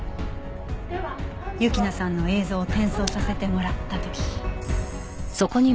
雪菜さんの映像を転送させてもらった時。